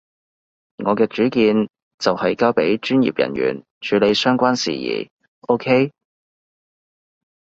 我嘅主見就係交畀專業人員處理相關事宜，OK？